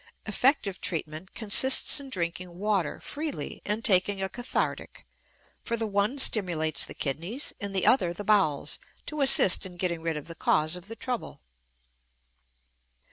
Effective treatment consists in drinking water freely and taking a cathartic, for the one stimulates the kidneys and the other the bowels to assist in getting rid of the cause of the trouble.